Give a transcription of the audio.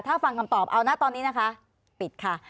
ถ้าฟังคำตอบเอานะตอนนี้นะคะปิดค่ะ